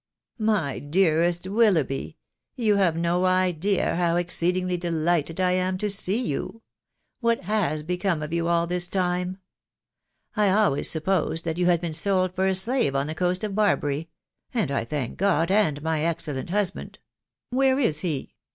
" My dearest Willoughby !.••. You have no idea how exceedingly delighted I am to see you .••• What has become of you all this time ?•••. I always supposed that you had been sold for a slave on the coast of Barbary .... and I thank God, and my excellent husband .... where is he